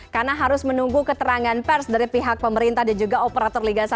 karena harus menunggu keterangan pers dari pihak pemerintah dan juga operator liga satu